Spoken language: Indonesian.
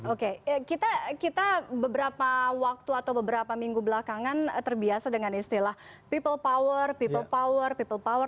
oke kita beberapa waktu atau beberapa minggu belakangan terbiasa dengan istilah people power people power people power